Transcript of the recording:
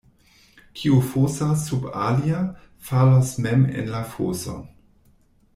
Kiu fosas sub alia, falos mem en la foson.